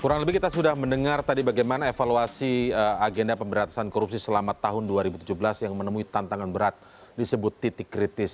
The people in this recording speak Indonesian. kurang lebih kita sudah mendengar tadi bagaimana evaluasi agenda pemberantasan korupsi selama tahun dua ribu tujuh belas yang menemui tantangan berat disebut titik kritis